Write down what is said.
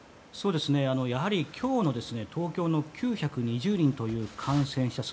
やはり、今日の東京の９２０人という感染者数。